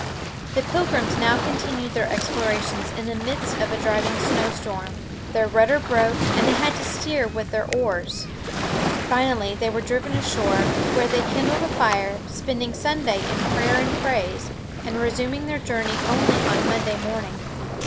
The Pilgrims now continued their explorations in the midst of a driving snowstorm. Their rudder broke, and they had to steer with their oars. Finally they were driven ashore, where they kindled a fire, spending Sunday in prayer and praise, and resuming their journey only on Monday morning.